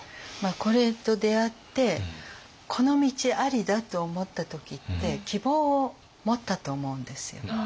これと出会ってこの道ありだって思った時って希望を持ったと思うんですよ。